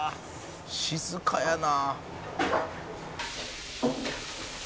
「静かやな」